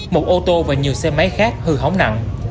một ô tô và nhiều xe máy khác hư hỏng nặng